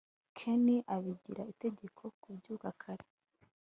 ken abigira itegeko kubyuka kare